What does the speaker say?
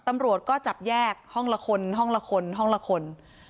ตำรวจก็จับแยกห้องละคนห้องละคนห้องละคน